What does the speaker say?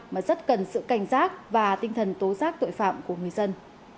mà rất cần sự cảnh giác và tinh thần tố giác tội phạm của người dân